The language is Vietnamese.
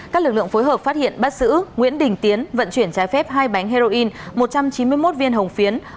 các lực lượng phối hợp phát hiện bắt giữ nguyễn đình tiến vận chuyển trái phép hai bánh heroin một trăm chín mươi một viên hồng phiến